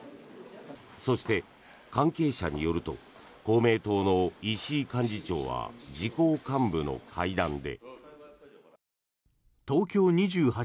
そして、関係者によると公明党の石井幹事長は自公幹部の会談で。